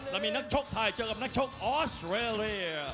เรามีนักชกไทยเจอกับนักชกออสเวรีย